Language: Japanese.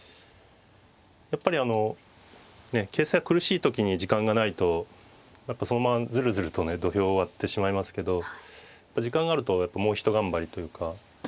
やっぱり形勢が苦しい時に時間がないとやっぱそのままずるずるとね土俵を割ってしまいますけど時間があるともう一頑張りというか。